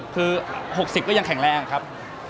คือ๖๐ก็ยังแข็งแรงครับ